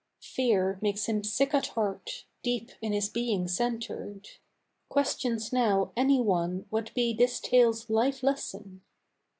Fear makes him sick at heart, deep in his being centred. Questions now any one what be this tale's life lesson?